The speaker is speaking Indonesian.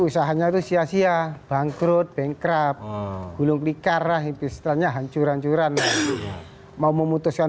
usahanya itu sia sia bangkrut bengkrap gulung likar rahim bisnanya hancur hancuran mau memutuskan